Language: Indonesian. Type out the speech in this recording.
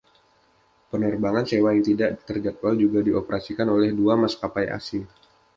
Penerbangan sewa yang tidak terjadwal juga dioperasikan oleh dua maskapai asing.